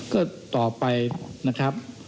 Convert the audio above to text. ก็ต่อไปนะครับ